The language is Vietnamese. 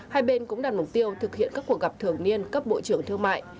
hai bên cũng đặt mục tiêu thực hiện các cuộc gặp thường niên cấp bộ trưởng thương mại